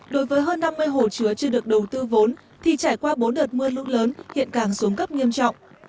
đối với hơn năm mươi hồ chứa chưa được đầu tư vốn thì trải qua bốn đợt mưa lũ lớn hiện càng xuống cấp nghiêm trọng